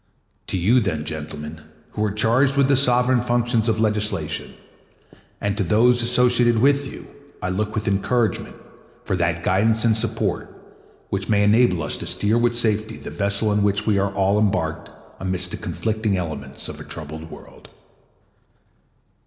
To you, then, gentlemen, who are charged with the sovereign functions of legislation, and to those associated with you, I look with encouragement for that guidance and support which may enable us to steer with safety the vessel in which we are all embarked amidst the conflicting elements of a troubled world.